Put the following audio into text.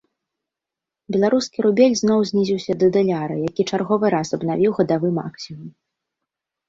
Беларускі рубель зноў знізіўся да даляра, які чарговы раз абнавіў гадавы максімум.